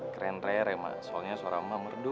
keren rere mak soalnya suara emak merdu